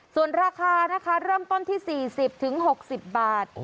ส่วนราคานะคะเริ่มต้นที่๔๐๖๐บาท